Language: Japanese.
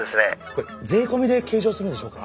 これ税込みで計上するんでしょうか？